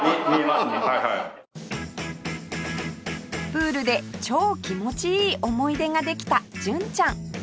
プールで超気持ちいい思い出ができた純ちゃん